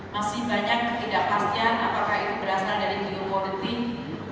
masih banyak ketidakpastian apakah itu berasal dari geopolitik